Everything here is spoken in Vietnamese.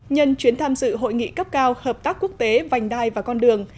nhân chuyến tham dự hội nghị cấp cao hợp tác quốc tế vành đai và con đường